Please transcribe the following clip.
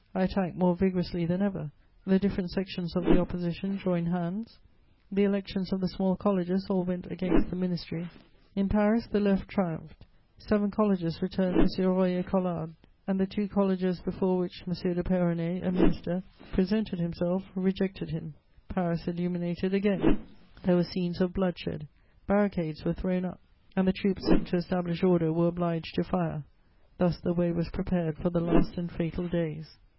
I attacked more vigorously than ever; the different sections of the Opposition joined hands; the elections of the small colleges all went against the ministry; in Paris, the Left triumphed; seven colleges returned M. Royer Collard, and the two colleges before which M. de Peyronnet, a minister, presented himself rejected him. Paris illuminated again; there were scenes of bloodshed; barricades were thrown up, and the troops sent to establish order were obliged to fire: thus the way was prepared for the last and fatal days.